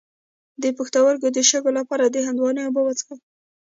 د پښتورګو د شګو لپاره د هندواڼې اوبه وڅښئ